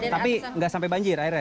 tapi nggak sampai banjir akhirnya